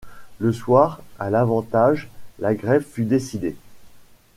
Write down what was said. Le soir, à l’Avantage, la grève fut décidée.